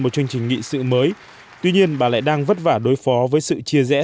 một chương trình nghị sự mới tuy nhiên bà lại đang vất vả đối phó với sự chia rẽ